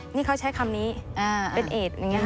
นี่เขาใช้คำนี้เป็นเอด